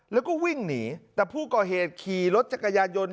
แล้วก็วิ่งหนีแต่ผู้ก่อเหตุขี่รถจักรยานยนต์